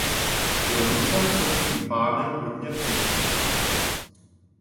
Byl nucen se svým pánem hodně cestovat.